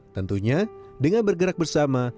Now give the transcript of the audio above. tentunya dengan bergerak bersama